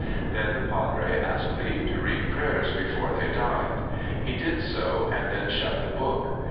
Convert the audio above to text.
Then the padre asked leave to read prayers before they died. He did so, and then shut the book.